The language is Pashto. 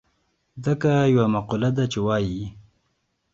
ځکه يوه مقوله ده چې وايي.